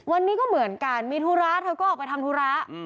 วันนี้ก็เหมือนกันมีธุระเธอก็ออกไปทำธุระ